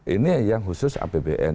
ini yang khusus apbn